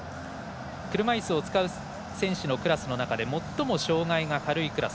車いすを使う選手のクラスの中で最も障がいが軽いクラス。